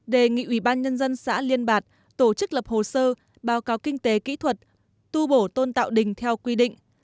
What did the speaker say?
đề nghị ubnd xã liên bạc tổ chức lập hồ sơ báo cáo kinh tế kỹ thuật tu bổ tôn tạo đình theo quy định